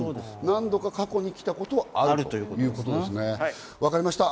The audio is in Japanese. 何度か過去には来たことがあるということですね、分かりました。